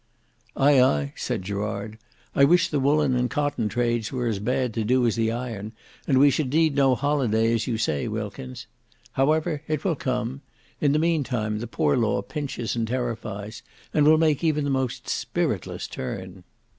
"Ay, ay," said Gerard; "I wish the woollen and cotton trades were as bad to do as the iron, and we should need no holiday as you say, Wilkins. However it will come. In the meantime the Poor law pinches and terrifies, and will make even the most spiritless turn."